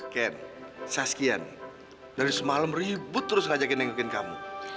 ken saskian dari semalam ribut terus ngajakin nengokin kamu